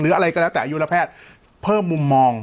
อะไรก็แล้วแต่อายุละแพทย์เพิ่มมุมมอง